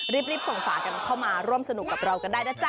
รีบส่งฝากันเข้ามาร่วมสนุกกับเรากันได้นะจ๊